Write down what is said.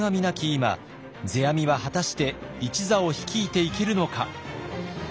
今世阿弥は果たして一座を率いていけるのか。